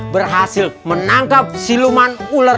berhasil menangkep siluman ular